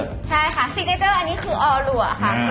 ใช่ค่ะซิกเนเจอร์อันนี้คือออหลัวค่ะ